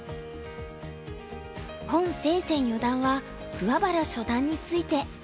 洪清泉四段は桑原初段について。